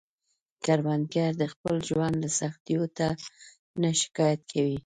کروندګر د خپل ژوند له سختیو نه نه شکايت کوي